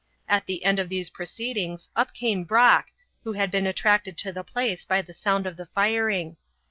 At the end of these proceedings up came Brock, who had been attracted to the place by the sound of the firing.